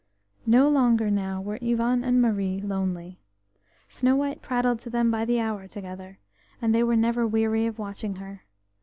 No longer now were Ivan and Marie lonely. Snow white prattled to them by the hour together, and they were never weary of watching her.